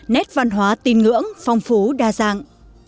nét văn hóa tín ngưỡng phong phú đa dạng